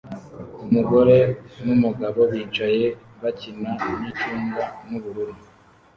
Umugore numugabo bicaye bakina nicunga nubururu